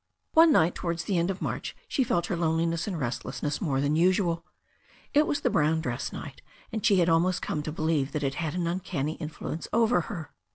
One night towards the end of March she felt her loneli ness and restlessness more than usual. It was the brown dress night, and she had almost come to believe that it had an uncanny influence over her.